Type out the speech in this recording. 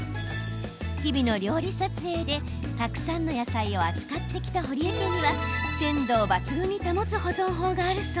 日々の料理撮影でたくさんの野菜を扱ってきた堀江家には鮮度を抜群に保つ保存法があるそう。